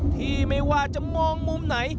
ที่ไม่ว่าจะมองมุมไหน